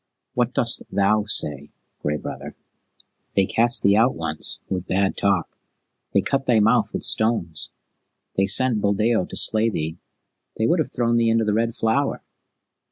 "What dost thou say, Gray Brother?" "They cast thee out once, with bad talk. They cut thy mouth with stones. They sent Buldeo to slay thee. They would have thrown thee into the Red Flower.